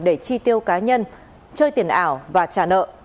để chi tiêu cá nhân chơi tiền ảo và trả nợ